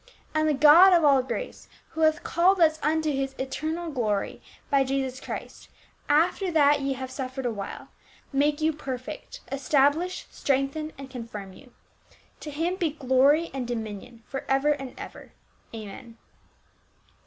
And the God of all grace, who hath called us unto his eternal glory by Jesus Christ, after that ye have suf fered awhile, make you perfect, establish, strengthen and confirm you. To him be glory and dominion for ever and ever. Amen."